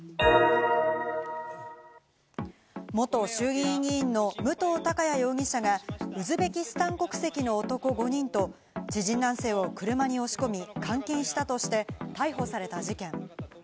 元衆議院議員の武藤貴也容疑者がウズベキスタン国籍の男５人と知人男性を車に押し込み監禁したとして逮捕された事件。